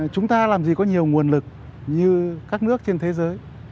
chúng ta làm gì có nhiều nguồn lực như các nước trên thế giới